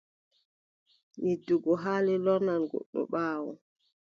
Yiddugo haali lornan goɗɗo ɓaawo.